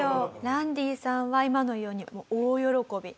ランディさんは今のように大喜び。